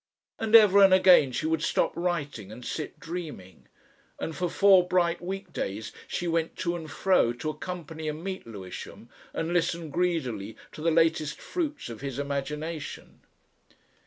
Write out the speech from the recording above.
And ever and again she would stop writing and sit dreaming. And for four bright week days she went to and fro to accompany and meet Lewisham and listen greedily to the latest fruits of his imagination.